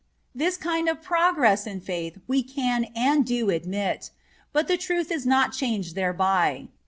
This kind of progress in faith we can and do admit; but the truth is not changed thereby.